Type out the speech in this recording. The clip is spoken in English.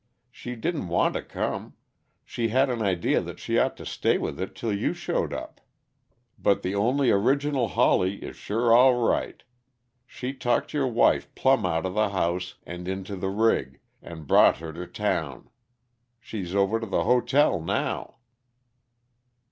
She didn't want to come; she had an idea that she ought to stay with it till you showed up. But the only original Hawley is sure all right! She talked your wife plumb outa the house and into the rig, and brought her to town. She's over to the hotel now."